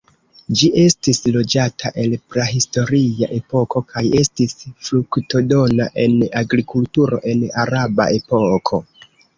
Ĝi estis loĝata el prahistoria epoko kaj estis fruktodona en agrikulturo en araba epoko.